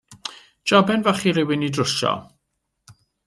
Joben fach i rywun ei drwsio.